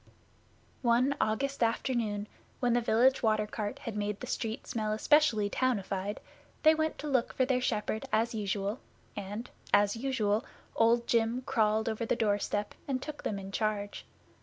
One August afternoon when the village water cart had made the street smell specially townified, they went to look for their shepherd as usual, and, as usual, Old Jim crawled over the doorstep and took them in charge.